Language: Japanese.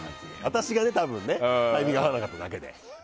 アタシが多分タイミング合わなかっただけで。